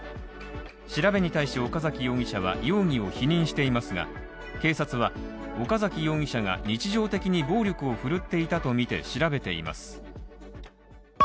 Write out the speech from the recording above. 調べに対し岡崎容疑者は容疑を否認していますが、警察は岡崎容疑者が日常的に暴力を振るっていたとみて調べています。